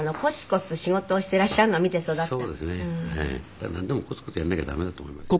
だからなんでもコツコツやんなきゃ駄目だと思いますね。